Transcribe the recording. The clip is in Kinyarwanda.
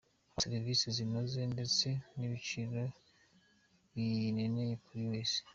Haba serivisi zinoze ndetse n’ibiciro binereye buri wese.